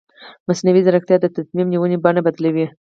مصنوعي ځیرکتیا د تصمیم نیونې بڼه بدلوي.